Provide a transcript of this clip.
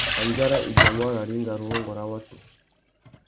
Andjara i biamú ararringa râ urrôngô râ watu.